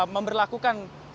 memperlakukan sistem penindakan